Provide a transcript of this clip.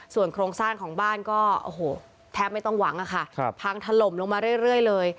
ส่วนโครงสร้างของบ้านก็โอ้โหแทบไม่ต้องหวังค่ะพังถล่มลงมาเรื่อยเลย